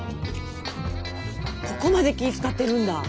ここまで気ぃ遣ってるんだ。